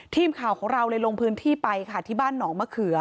ทีมข่าวของเราเลยลงพื้นที่ไปค่ะที่บ้านหนองมะเขือ